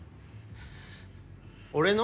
俺の。